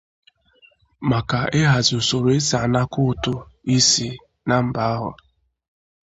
maka ihazi usoro e si anakọ ụtụ isi na mba ahụ.